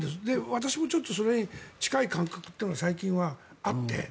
私もそれに近い感覚というのが最近はあって。